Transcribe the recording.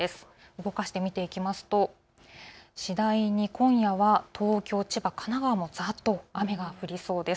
動かして見ていきますと、次第に今夜は東京、千葉、神奈川もざっと雨が降りそうです。